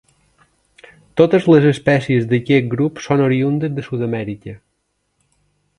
Totes les espècies d'aquest grup són oriündes de Sud-amèrica.